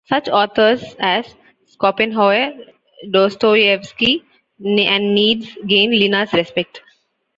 Such authors as Schopenhauer, Dostoyevsky, and Nietzsche gained Linna's respect.